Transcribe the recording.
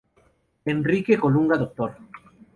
Enrique Colunga, Dr.